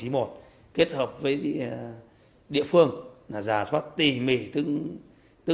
mà khả năng lớn nhất